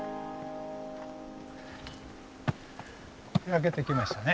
開けてきましたね。